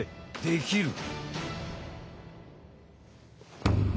できる！